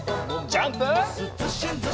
ジャンプ！